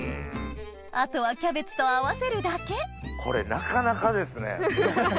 あとはキャベツと合わせるだけこれなかなかですね。